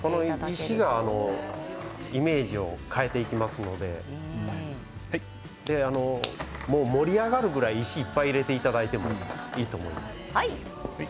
石がイメージを変えていきますので盛り上がるぐらい、石をいっぱい入れていただいていいと思います。